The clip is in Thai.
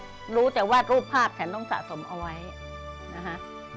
รู้แต่ว่ารูปภาพฉันต้องสะสมเอาไว้นะคะ